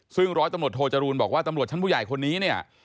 ซึ่งร้อยตำรวจโทจรูลบอกว่าตำรวจชั้นผู้ใหญ่คนนี้เนี่ย